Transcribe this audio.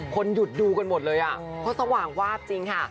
คนหยุดดูกันหมดเลยอ่ะเพราะสว่างวาบจริงค่ะ